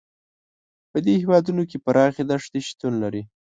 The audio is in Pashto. په دې هېوادونو کې پراخې دښتې شتون لري.